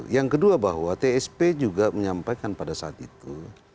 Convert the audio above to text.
yang kedua bahwa tsp juga menyampaikan pada saat itu